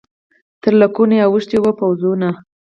تر لکونو یې اوښتي وه پوځونه